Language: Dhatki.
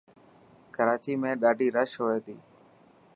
ڪراچي ۾ ڏاڌي رش هئي ٿي.